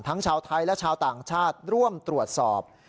ชาวไทยและชาวต่างชาติร่วมตรวจสอบ